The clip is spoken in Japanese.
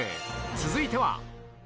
続いては。